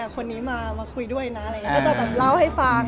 คนนี้มาคุยด้วยนะแล้วก็จะเล่าให้ฟัง